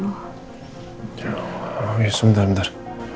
oh iya sebentar